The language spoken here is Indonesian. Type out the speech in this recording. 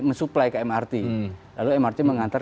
mensuplai ke mrt lalu mrt mengantar